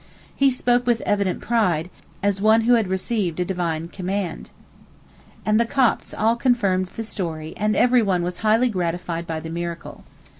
He spoke with evident pride, as one who had received a Divine command, and the Copts all confirmed the story and everyone was highly gratified by the miracle.